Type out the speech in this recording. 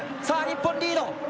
さあ、日本リード。